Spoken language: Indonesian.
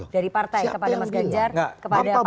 dari partai kepada mas ganjar